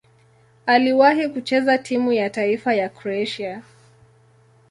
Aliwahi kucheza timu ya taifa ya Kroatia.